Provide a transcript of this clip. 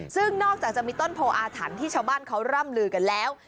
ซึ่งนอกจากจะมีต้นโพออาถรรพ์ที่ชาวบ้านเขาร่ำลือกันแล้ว